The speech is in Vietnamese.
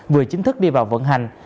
vừa chính thức đi vào vận hành